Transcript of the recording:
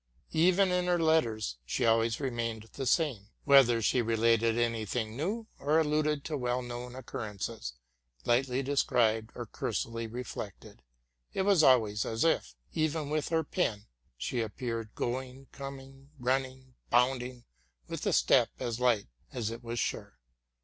Even in her letters she always remained the same: whether she related any thing new, or alluded to well known occurrences, lightly described or cursorily reflected, it was always as if, even with her pen, she appeared going, com ing, running, bounding with a step as light as it was sure.